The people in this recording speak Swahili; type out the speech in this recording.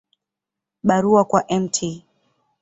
Barua kwa Mt.